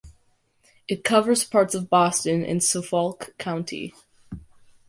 It covers parts of Boston in Suffolk County.